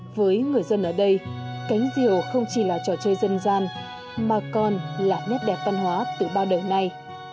với người dân ở đây cánh diều không chỉ là trò chơi dân gian mà còn là nét đẹp văn hóa từ bao đời nay